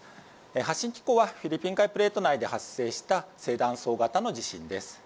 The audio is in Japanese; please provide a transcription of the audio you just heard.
発震機構はフィリピン海プレート内で発生した正断層内での地震です。